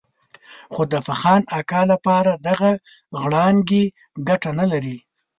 خو د فخان اکا لپاره دغه غړانګې ګټه نه لري.